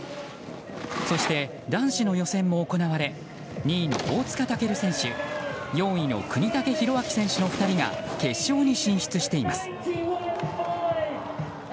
そして男子の予選も行われ２位の大塚健選手４位の國武大晃選手の２人が決勝に進出しています。